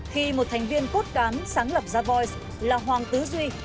khi một thành viên cốt cán sáng lập ra voi là hoàng tứ duy